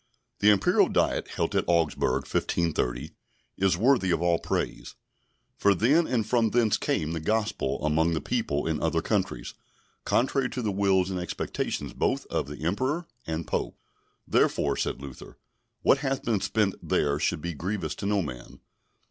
The Imperial Diet held at Augsburg, 1530, is worthy of all praise; for then and from thence came the Gospel among the people in other countries, contrary to the wills and expectations both of Emperor and Pope; therefore, said Luther, what hath been spent there should be grievous to no man.